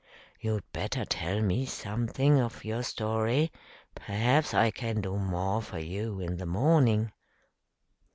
"You'd better tell me something of your story. Perhaps I can do more for you in the morning."